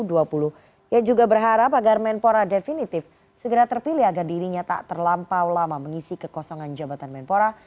dia juga berharap agar menpora definitif segera terpilih agar dirinya tak terlampau lama mengisi kekosongan jabatan menpora